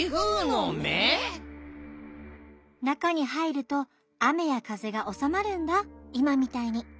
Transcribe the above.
なかにはいるとあめやかぜがおさまるんだいまみたいに。